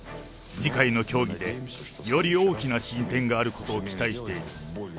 次回の協議で、より大きな進展があることを期待している。